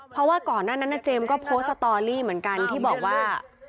เพราะว่าก่อนหน้านั้นเจมส์ก็โพสต์สตอรี่เหมือนกันที่บอกว่า